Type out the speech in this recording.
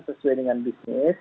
sesuai dengan bisnis